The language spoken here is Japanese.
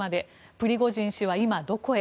プリゴジン氏は今どこへ。